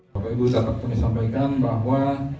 bapak ibu saya ingin menyampaikan bahwa